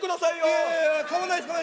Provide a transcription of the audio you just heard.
いやいや買わないです。